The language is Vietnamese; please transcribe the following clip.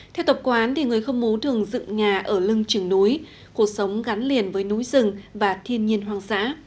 theo tộc quán thì người khơ mú thường dựng nhà ở lưng trường núi cuộc sống gắn liền với núi rừng và thiên nhiên hoang dã